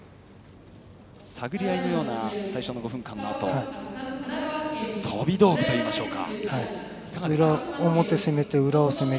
探り合いのような最初の５分間のあと飛び道具といいましょうか。